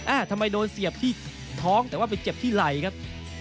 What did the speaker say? ทำไมโดนเสียบที่ท้องแต่ว่าไปเจ็บที่ไหล่ครับ